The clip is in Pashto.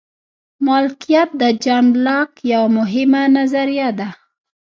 مالکیت د جان لاک یوه مهمه نظریه ده.